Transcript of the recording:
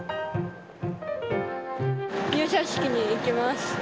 入社式に行きます。